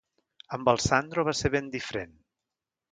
Amb el Sandro va ser ben diferent.